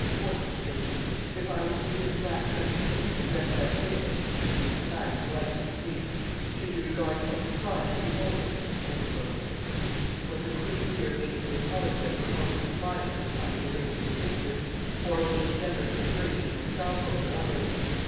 "What!" said she, "if I were to begin to act some scene in a dress like this," (for she was clad in white like a priest,) "should you regard it as a crime to behold it?" Was the queen here making the apology of her own compliances under the reign of her sister, or was she generously furnishing a salvo for others?